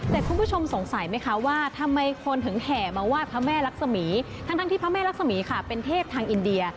ทั้งที่พระแม่รักษมีย์ค่ะเป็นเทพทางอินเดีย